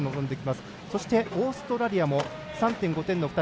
そして、オーストラリアも３．５点の２人。